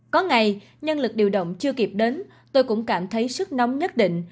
có ngày nhân lực điều động chưa kịp đến tôi cũng cảm thấy sức nóng nhất định